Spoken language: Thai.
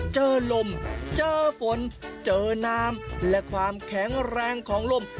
เจอลมเจอฝนเจอน้ำและความแข็งแรงของลม